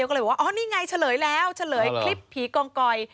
ก็เลยว่านี่ไงเฉลยแล้วเฉลยคลิปพี่กองกอย